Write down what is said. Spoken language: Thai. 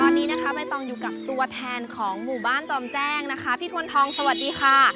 ตอนนี้นะคะบ๊ายตองอยู่กับตัวแทนของบ้านจอมแจ้งพี่ถวัณธองสวัสดีค่ะ